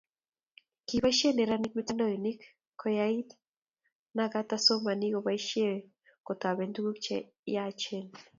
kiboisien neranik mitandaonik ko yait, na katu somani koboisie kotoben tuguk che yaachen